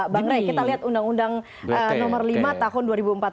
bang rey kita lihat undang undang nomor lima tahun dua ribu empat belas